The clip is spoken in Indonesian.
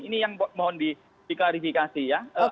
ini yang mohon diklarifikasi ya